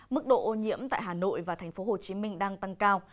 mức độ ô nhiễm tại hà nội và tp hcm đang tăng cao